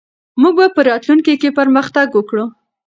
موږ به په راتلونکي کې پرمختګ وکړو.